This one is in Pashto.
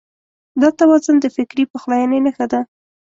دا توازن د فکري پخلاينې نښه ده.